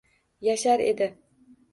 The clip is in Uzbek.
Yashar edi